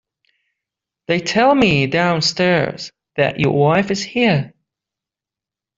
They tell me downstairs that your wife is here.